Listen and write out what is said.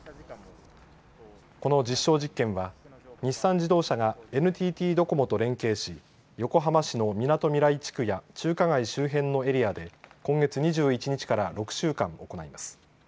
この実証実験は日産自動車がＮＴＴドコモと連携し横浜市のみなとみらい地区や中華街周辺のエリアで今月２１日から６週間、行います。